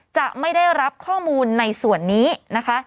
จะไม่ได้รับข้อมูลในส่วนนี้นะคะ